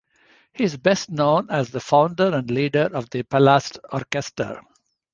He is best known as the founder and leader of the Palast Orchester.